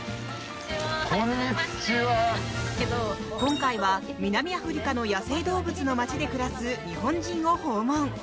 今回は南アフリカの野生動物の街で暮らす日本人を訪問。